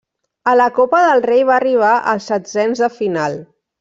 A la Copa del Rei va arribar als setzens de final.